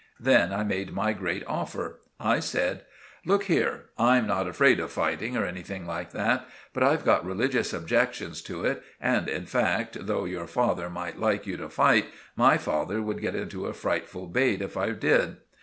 Then I made my great offer. I said— "Look here; I'm not afraid of fighting, or anything like that; but I've got religious objections to it and, in fact, though your father might like you to fight, my father would get into a frightful bate if I did.